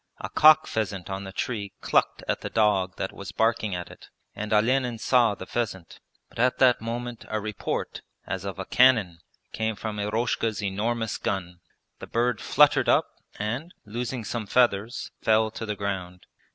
A cock pheasant on the tree clucked at the dog that was barking at it, and Olenin saw the pheasant; but at that moment a report, as of a cannon, came from Eroshka's enormous gun, the bird fluttered up and, losing some feathers, fell to the ground.